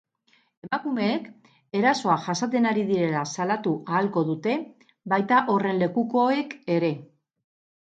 Emakumeek erasoa jasaten ari direla salatu ahalko dute, baita horren lekukoek ere.